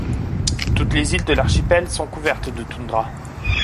Toutes les îles de l'archipel sont couvertes de toundra.